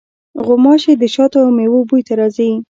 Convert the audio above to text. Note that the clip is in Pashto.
غوماشې د شاتو او میوو بوی ته راځي.